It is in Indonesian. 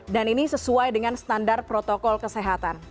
dan ini sesuai dengan standar protokol kesehatan